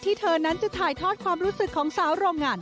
เธอนั้นจะถ่ายทอดความรู้สึกของสาวโรงงาน